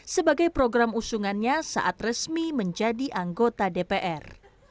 sebagai program usungannya saat resmi menjadi anggota dpr